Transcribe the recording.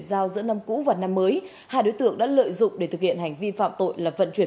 giao giữa năm cũ và năm mới hai đối tượng đã lợi dụng để thực hiện hành vi phạm tội là vận chuyển